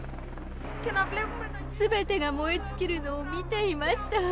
すべてが燃え尽きるのを見ていました。